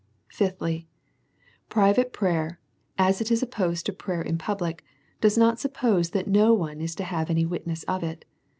Fifthly, Private prayer, as it is opposed to prayer in public, does not suppose that no one is to have any witness of it.